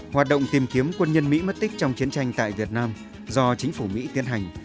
hoạt động tìm kiếm quân nhân mỹ mất tích trong chiến tranh tại việt nam do chính phủ mỹ tiến hành